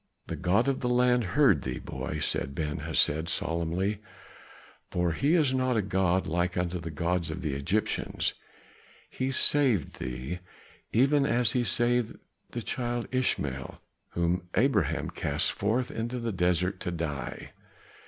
"The God of the land heard thee, boy," said Ben Hesed solemnly, "for he is not a god like to the gods of the Egyptians. He saved thee, even as he saved the child Ishmael, whom Abraham cast forth into the desert to die.